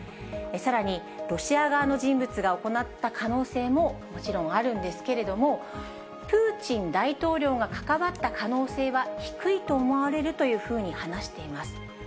さらに、ロシア側の人物が行った可能性も、もちろんあるんですけれども、プーチン大統領が関わった可能性は、低いと思われるというふうに話しています。